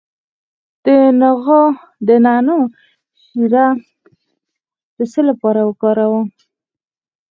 د نعناع شیره د څه لپاره وکاروم؟